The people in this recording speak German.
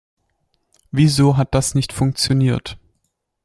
Wieso hat das nicht funktioniert?